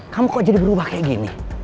kamu kok jadi berubah kayak gini